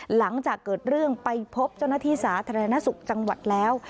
หลังจากเกิดเรื่องไปพบเจ้าหน้าที่สาธารณสุขจังหวัดแล้ว